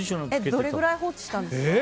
どれぐらい放置したんですか？